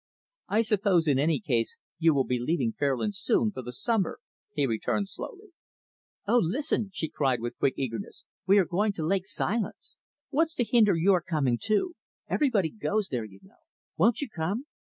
"I suppose in any case you will be leaving Fairlands soon, for the summer," he returned slowly. "O listen," she cried with quick eagerness "we are going to Lake Silence. What's to hinder your coming too? Everybody goes there, you know. Won't you come?"